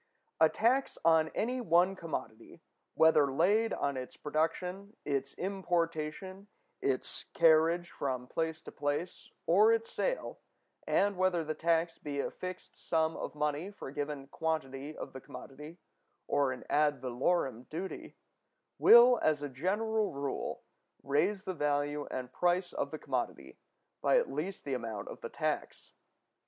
A tax on any one commodity, whether laid on its production, its importation, its carriage from place to place, or its sale, and whether the tax be a fixed sum of money for a given quantity of the commodity, or an ad valorem duty, will, as a general rule, raise the value and price of the commodity by at least the amount of the tax.